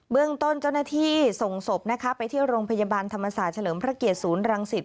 เรื่องต้นเจ้าหน้าที่ส่งศพนะคะไปที่โรงพยาบาลธรรมศาสตร์เฉลิมพระเกียรติศูนย์รังสิต